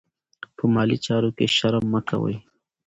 په مالي چارو کې شرم مه کوئ.